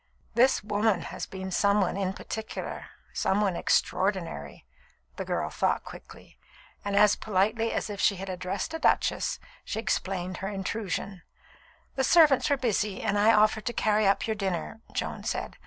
"This woman has been some one in particular some one extraordinary," the girl thought quickly; and as politely as if she had addressed a duchess, she explained her intrusion. "The servants were busy, and I offered to carry up your dinner," Joan said.